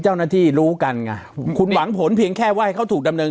เจ้าหน้าที่รู้กันไงคุณหวังผลเพียงแค่ว่าให้เขาถูกดำเนิน